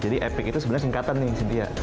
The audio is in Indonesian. jadi epic itu sebenarnya singkatan nih sintia